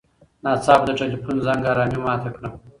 ناڅاپه د تیلیفون زنګ ارامي ماته کړه.